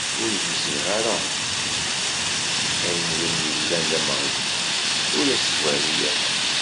Ur gziɣ ara! Ayen win yellan d ameɣbun, ur d as-tberru ara.